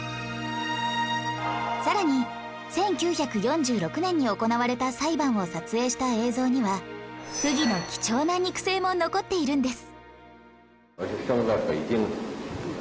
さらに１９４６年に行われた裁判を撮影した映像には溥儀の貴重な肉声も残っているんです